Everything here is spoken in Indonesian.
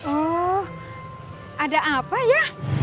oh ada apa ya